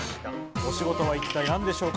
お仕事は一体、何でしょうか？